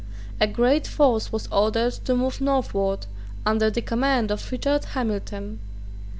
A great force was ordered to move northward, under the command of Richard Hamilton.